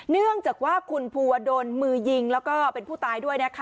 เนื่องจากว่าคุณภูวดลมือยิงแล้วก็เป็นผู้ตายด้วยนะคะ